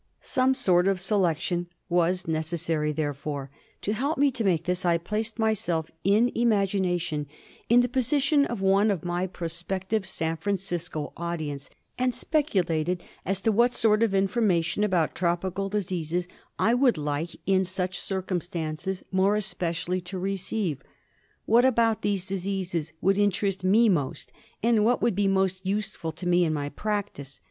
Some sort of selection was necessary therefore. To help me to make this I placed myself, in imagination, in the position of one of my prospective San Francisco audience, and speculated as to what sort of information about tropical diseases I would like in such circumstances more especially to receive ; what about these diseases would interest me most ; and what would be most useful to me in my practice.